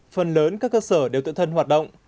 phần lớn các cơ sở đều tự thân hoạt động